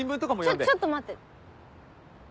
ちょっちょっと待って。